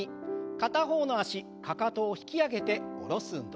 片方の脚かかとを引き上げて下ろす運動。